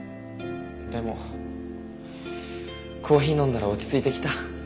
でもコーヒー飲んだら落ち着いてきた。